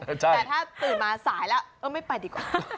แต่ถ้าตื่นมาสายแล้วไม่ไปดีกว่า